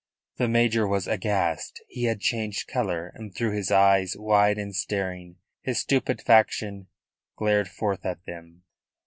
The major was aghast. He had changed colour, and through his eyes, wide and staring, his stupefaction glared forth at them.